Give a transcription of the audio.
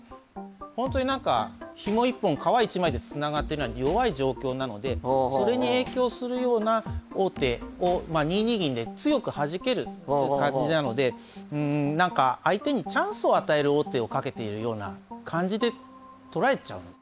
本当に何かひも一本皮一枚でつながってるような弱い状況なのでそれに影響するような王手を２二銀で強くはじける感じなので何か相手にチャンスを与える王手をかけているような感じで捉えちゃうんです。